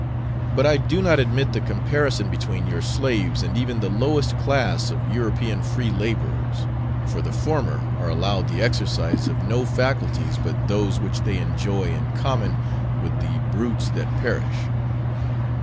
But I do not admit the comparison between your slaves and even the lowest class of European free labourers, for the former are allowed the exercise of no faculties but those which they enjoy in common with the brutes that perish.